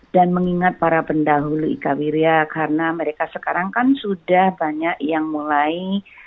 dan mengingat para pendahulu ika wiria karena mereka sekarang kan sudah banyak yang mulai